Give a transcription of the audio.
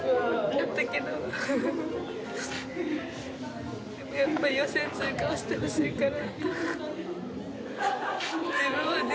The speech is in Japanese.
やっぱ予選通過してほしいから。